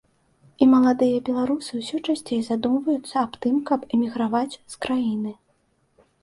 І маладыя беларусы ўсё часцей задумваюцца аб тым, каб эміграваць з краіны.